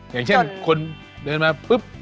อย่างเช่นคนเดินมา